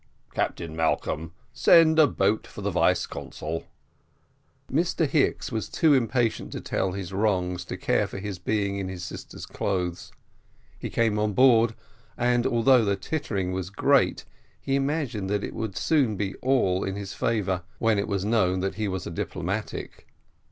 Captain Malcolm, send a boat for the vice consul." Mr Hicks was too impatient to tell his wrongs to care for his being in his sister's clothes: he came on board, and although the tittering was great, he imagined that it would soon be all in his favour, when it was known that he was a diplomatic.